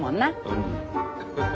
うん。